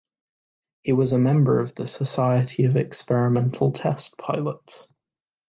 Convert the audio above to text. He was a member of the Society of Experimental Test Pilots.